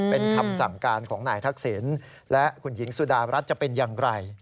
เป็นคำสั่งการของนายทักษิณ